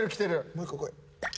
もう１個こい。